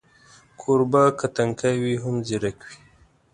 کوربه که تنکی وي، هم ځیرک وي.